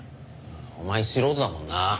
お前素人だもんな。